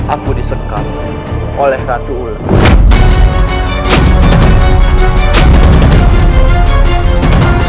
aku disekap oleh ratu ules